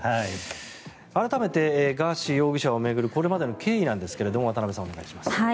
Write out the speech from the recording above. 改めてガーシー容疑者を巡るこれまでの経緯なんですが渡辺さんお願いします。